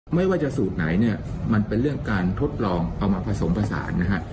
ไม่ว่าจะสูตรไหนเนี่ยมันเป็นเรื่องการทดลองเอามาผสมผสานนะฮะ